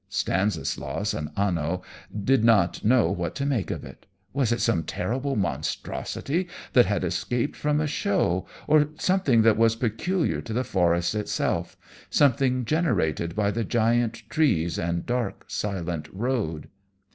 Stanislaus and Anno did not know what to make of it. Was it some terrible monstrosity that had escaped from a show, or something that was peculiar to the forest itself, something generated by the giant trees and dark, silent road?